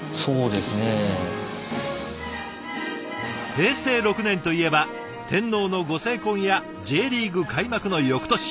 平成６年といえば天皇のご成婚やＪリーグ開幕の翌年。